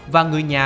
và người nhà